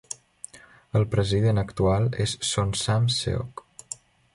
El president actual és Son Sam-seok.